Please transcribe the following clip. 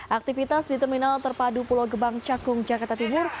aktivitas di terminal terpadu pulau gebang cakung jakarta timur